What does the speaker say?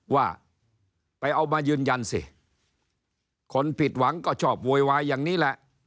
ว่าไปเอามายืนยันสิคนผิดหวังก็ชอบโวยวายอย่างนี้แหละ